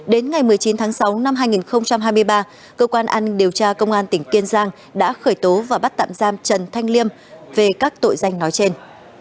đến ngày một mươi chín tháng sáu năm hai nghìn hai mươi ba cơ quan an điều tra công an tỉnh kiên giang đã khởi tố và bắt tạm giam trần thanh liêm về các tội danh nói trên